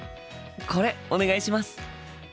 これお願いします。